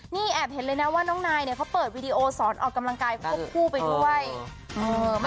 นี่แอบเห็นเลยนะว่าน้องนายเนี่ยเขาเปิดวีดีโอสอนออกกำลังกายควบคู่ไปด้วย